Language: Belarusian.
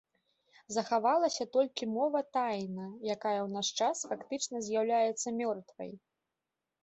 Захавалася толькі мова таіна, якая ў наш час фактычна з'яўляецца мёртвай.